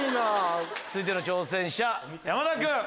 続いての挑戦者山田君。